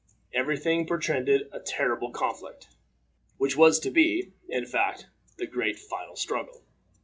Every thing portended a terrible conflict, which was to be, in fact, the great final struggle.